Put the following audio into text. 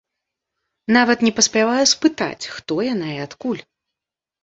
Нават не паспяваю спытаць, хто яна і адкуль.